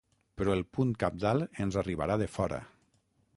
Però el punt cabdal ens arribarà de fora.